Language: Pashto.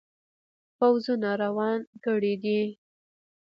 پوځونه روان کړي دي.